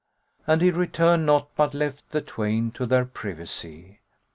And he returned not but left the twain to their privacy.